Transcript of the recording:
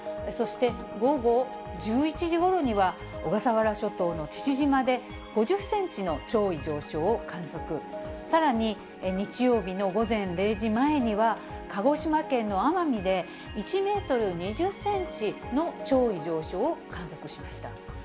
そして、午後１１時ごろには、小笠原諸島の父島で５０センチの潮位上昇を観測、さらに日曜日の午前０時前には、鹿児島県の奄美で、１メートル２０センチの潮位上昇を観測しました。